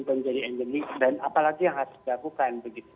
menjadi endemik dan apalagi yang harus digakukan begitu